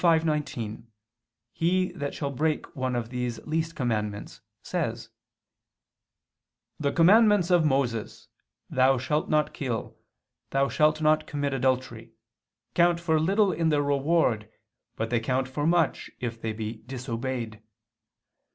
5:19, "He that shall break one of these least commandments," says: "The commandments of Moses, Thou shalt not kill, Thou shalt not commit adultery, count for little in their reward, but they count for much if they be disobeyed.